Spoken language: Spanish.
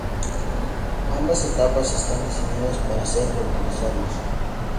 Ambas etapas están diseñadas para ser reutilizables.